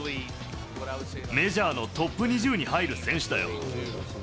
メジャーのトップ２０に入る選手だよ。